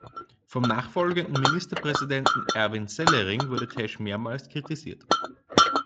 Vom nachfolgenden Ministerpräsidenten Erwin Sellering wurde Tesch mehrmals kritisiert.